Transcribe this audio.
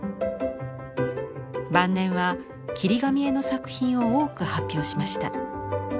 晩年は「切り紙絵」の作品を多く発表しました。